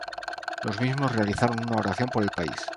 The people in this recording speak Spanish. Los mismos realizaron una oración por el país.